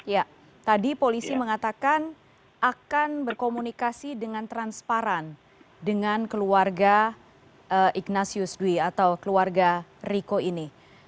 ya tadi polisi mengatakan akan berkomunikasi dengan transparan dengan keluarga ignatius dwi atau keluarga riko ini